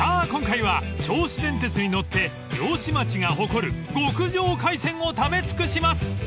今回は銚子電鉄に乗って漁師町が誇る極上海鮮を食べ尽くします］